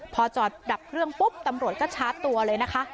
พอจอดดับเครื่องปุ๊บตำรวจก็ชาร์จตัวเลยนะคะ